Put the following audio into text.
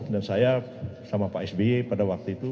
dan saya sama pak sby pada waktu itu